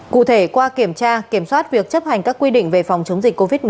cụ thể qua kiểm tra kiểm soát việc chấp hành các quy định về phòng chống dịch covid một mươi chín